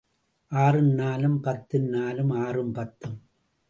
ஆறும் நாலும் பத்து நாலும் ஆறும் பத்து.